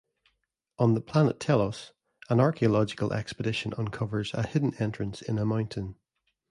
On the planet Telos, an archaeological expedition uncovers a hidden entrance in a mountain.